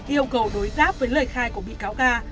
yêu cầu đối giáp với lời khai của bị cáo ca